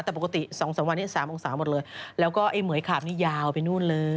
แต่ปกติ๒๓วันนี้๓องศาหมดเลยแล้วก็ไอ้เหมือยขาบนี่ยาวไปนู่นเลย